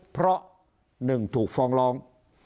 เพราะ๑ถูกฟ้องร้อง